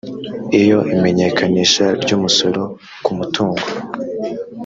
iyo imenyekanisha ry umusoro ku mutungo